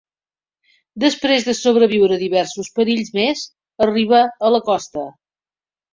Després de sobreviure a diversos perills més, arriba a la costa.